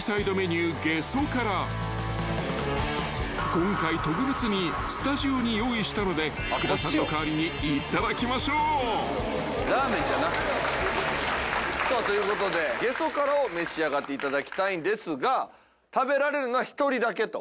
［今回特別にスタジオに用意したので福田さんの］さあということでゲソカラを召し上がっていただきたいんですが食べられるのは１人だけと。